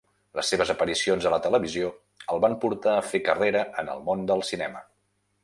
Les seves aparicions a la televisió el van portar a fer carrera en el món del cinema.